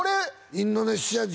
インドネシア人？